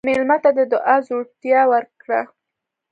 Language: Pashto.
مېلمه ته د دعا زړورتیا ورکړه.